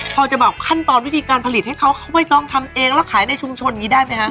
พอจะแบบขั้นตอนวิธีการผลิตให้เขาเขาไม่ต้องทำเองแล้วขายในชุมชนอย่างนี้ได้ไหมฮะ